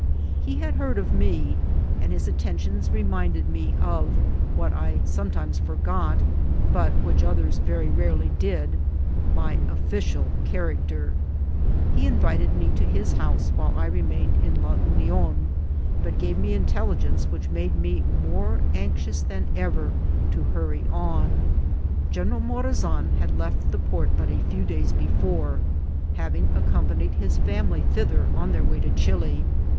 He had heard of me, and his attentions reminded me of, what I sometimes forgot, but which others very rarely did, my official character ; he invited me to his house while I remained in La Union, but gave me intelligence which made me more anxious than ever to hurry on. General Morazan had left the port but a few days before, having accompanied his family thither on their way to Chili.